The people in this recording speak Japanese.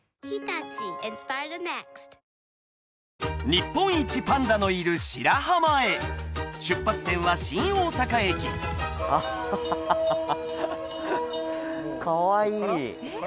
日本一パンダのいる白浜へ出発点は新大阪駅アハハハハかわいい